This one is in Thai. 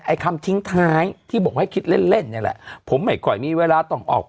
คำทิ้งท้ายที่บอกว่าให้คิดเล่นเล่นเนี่ยแหละผมไม่ค่อยมีเวลาต้องออก